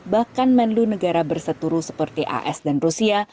bahkan menlu negara berseturu seperti as dan rusia